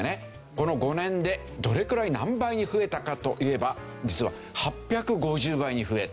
この５年でどれくらい何倍に増えたかといえば実は８５０倍に増えたと。